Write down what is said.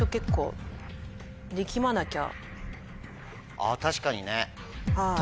あ確かにね。